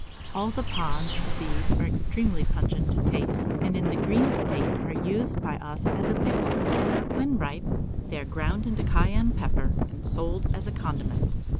All the pods of these are extremely pungent to the taste, and in the green state are used by us as a pickle. When ripe, they are ground into cayenne pepper, and sold as a condiment.